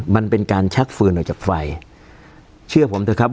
มันเป็นการชักปืนออกจากไฟเชื่อผมเถอะครับ